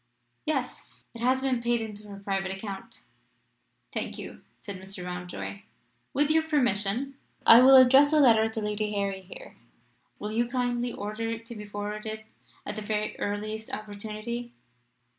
"Yes; it has been paid into her private account." "Thank you," said Mr. Mountjoy. "With your permission, I will address a letter to Lady Harry here. Will you kindly order it to be forwarded at the very earliest opportunity?"